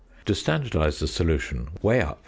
To standardise the solution, weigh up 0.